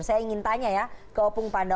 saya ingin tanya ya ke opung panda